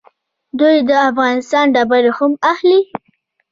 دوی د افغانستان ډبرې هم اخلي.